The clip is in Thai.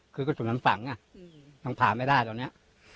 คือก็จุดน้ำฝังอะน้องผ่าไม่ได้ตอนเนี้ย